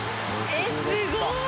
えっすごい！